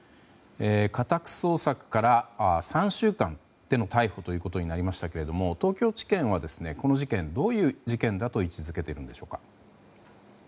家宅捜索から３週間経っての逮捕となりましたけども東京地検はこの事件をどういう事件だと位置づけているんでしょうか。